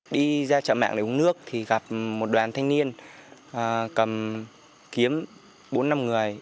đi ra chợ mạng để uống nước thì gặp một đoàn thanh niên cầm kiếm bốn năm người